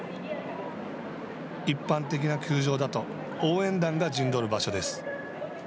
一般的な球場だと、応援団が陣取る場所です。